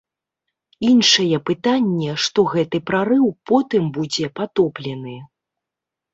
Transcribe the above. Іншае пытанне, што гэты прарыў потым будзе патоплены.